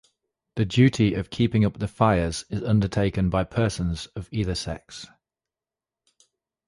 The duty of keeping up the fires is undertaken by persons of either sex.